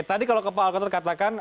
tadi kalau kepala al qadrat katakan